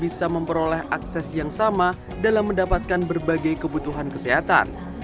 bisa memperoleh akses yang sama dalam mendapatkan berbagai kebutuhan kesehatan